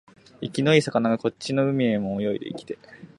生きのいい魚がこっちの海へも泳いできて、